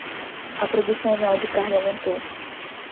A produção anual de carne aumentou